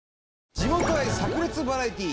地元愛さく裂バラエティー！